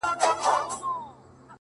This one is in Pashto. نه لري هيـڅ نــنــــگ;